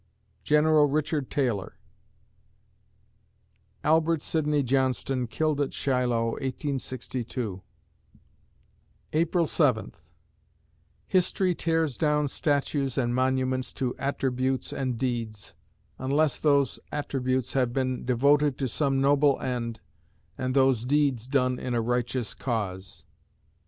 GENERAL RICHARD TAYLOR Albert Sidney Johnston killed at Shiloh, 1862 April Seventh History tears down statues and monuments to attributes and deeds, unless those attributes have been devoted to some noble end, and those deeds done in a righteous cause.